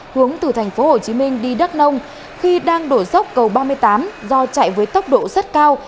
hướng từ thành phố hồ chí minh đi đắk nông khi đang đổ dốc cầu ba mươi tám do chạy với tốc độ rất cao